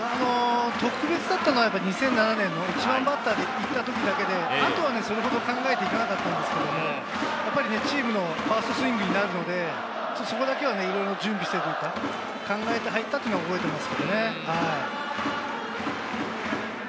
特別だったのは、２００７年、１番バッターで行った時だけで、あとはそれほど考えていかなかったんですけど、チームのファーストスイングになるので、そこだけはいろいろ準備しているので、考えて入ったというのを覚えています。